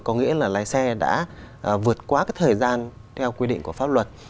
có nghĩa là lái xe đã vượt qua cái thời gian theo quy định của pháp luật